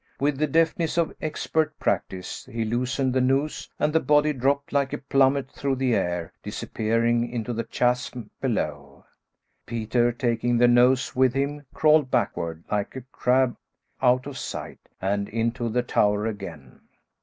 With the deftness of expert practice, he loosened the noose and the body dropped like a plummet through the air, disappearing into the chasm below. Peter, taking the noose with him, crawled backward, like a crab, out of sight, and into the tower again.